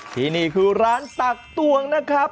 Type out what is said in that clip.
ที่นี่คือร้านตักตวงนะครับ